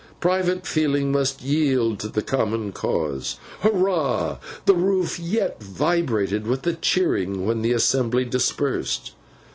Private feeling must yield to the common cause. Hurrah! The roof yet vibrated with the cheering, when the assembly dispersed.